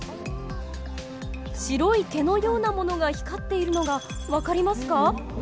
白い毛のようなものが光っているのが分かりますか？